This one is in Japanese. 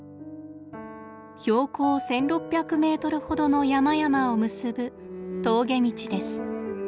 標高１，６００メートルほどの山々を結ぶ峠道です。